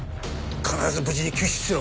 必ず無事に救出しろ。